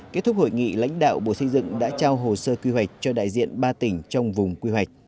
kết thúc hội nghị lãnh đạo bộ xây dựng đã trao hồ sơ quy hoạch cho đại diện ba tỉnh trong vùng quy hoạch